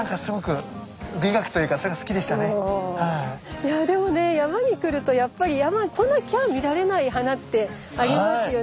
いやでもね山に来るとやっぱり山に来なきゃ見られない花ってありますよね。